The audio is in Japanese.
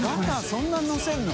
そんなにのせるの？